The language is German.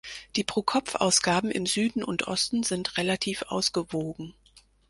Die Pro-Kopf-Ausgaben im Süden und Osten sind relativ ausgewogen.